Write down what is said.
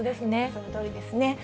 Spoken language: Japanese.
そのとおりですね。